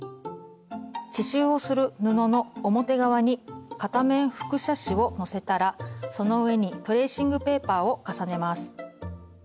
刺しゅうをする布の表側に片面複写紙をのせたらその上にトレーシングペーパーを重ねます。